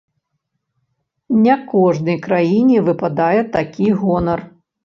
Не кожнай краіне выпадае такі гонар.